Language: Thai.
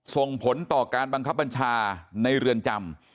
ส่งผลต่อการบังคับบัญชาในเรือนจำ